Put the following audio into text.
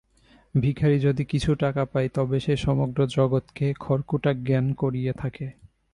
ভিখারী যদি কিছু টাকা পায়, তবে সে সমগ্র জগৎকে খড়কুটা জ্ঞান করিয়া থাকে।